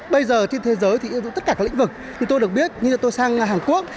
bây giờ trên thế giới thì tất cả các lĩnh vực thì tôi được biết như là tôi sang hàn quốc